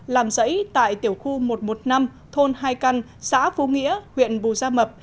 làm rẫy tại tiểu khu một trăm một mươi năm thôn hai căn xã phú nghĩa huyện bù gia mập